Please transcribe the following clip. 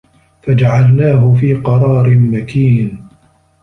فَجَعَلناهُ في قَرارٍ مَكينٍ